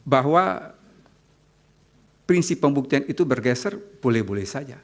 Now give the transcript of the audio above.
bahwa prinsip pembuktian itu bergeser boleh boleh saja